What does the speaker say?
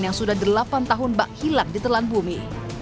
yang sudah delapan tahun bak hilang di telan bumi